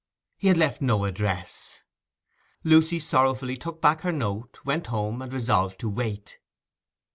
He had left no address. Lucy sorrowfully took back her note went home, and resolved to wait.